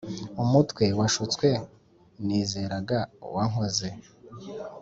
umutwe, washutswe, nizeraga, uwankoze,